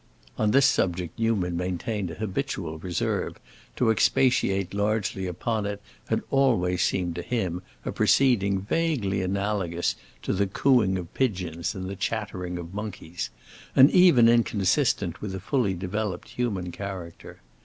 On this subject Newman maintained an habitual reserve; to expatiate largely upon it had always seemed to him a proceeding vaguely analogous to the cooing of pigeons and the chattering of monkeys, and even inconsistent with a fully developed human character.